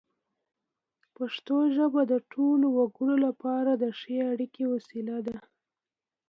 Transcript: پښتو ژبه د ټولو وګړو لپاره د ښې اړیکې وسیله ده.